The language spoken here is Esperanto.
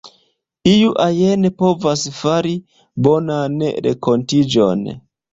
Iu ajn povas fari bonan renkontiĝon.